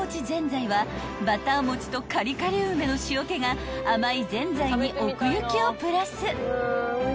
［バター餅とカリカリ梅の塩気が甘いぜんざいに奥行きをプラス］